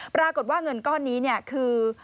ปรากฏว่าเงินก้อนนี้คือ